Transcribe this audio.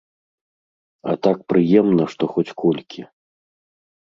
А так прыемна, што хоць колькі.